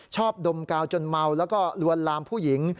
ดมกาวจนเมาแล้วก็ลวนลามผู้หญิง